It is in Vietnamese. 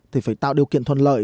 thì phải tạo điều kiện thuận lợi